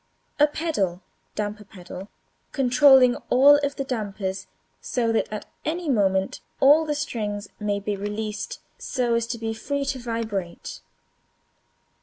A pedal (damper pedal) controlling all of the dampers, so that at any moment all the strings may be released so as to be free to vibrate.